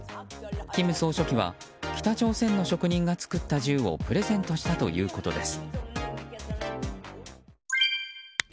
金総書記は北朝鮮の職人が作った銃をプレゼントしたということです。